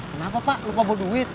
kenapa pak lupa bawa duit